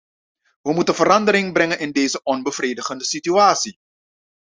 We moeten verandering brengen in deze onbevredigende situatie.